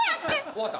おわった？